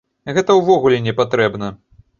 Гэта ўвогуле не патрэбна.